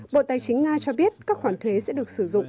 bộ tài chính nga cho biết các khoản thuế sẽ được sử dụng